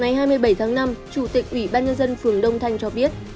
ngày hai mươi bảy tháng năm chủ tịch ủy ban nhân dân phường đông thanh cho biết